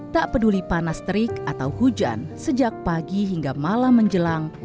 tak peduli panas terik atau hujan sejak pagi hingga malam menjelang